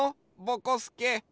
ぼこすけ。